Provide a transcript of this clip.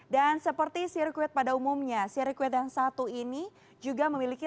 dan seperti sirkuit pada umumnya sirkuit yang satu ini juga memiliki